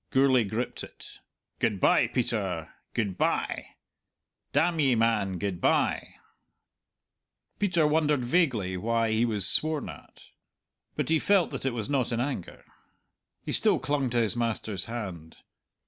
Gourlay gripped it. "Good bye, Peter! good bye; damn ye, man, good bye!" Peter wondered vaguely why he was sworn at. But he felt that it was not in anger. He still clung to his master's hand.